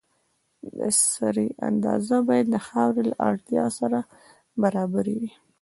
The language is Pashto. د سرې اندازه باید د خاورې له اړتیا سره برابره وي.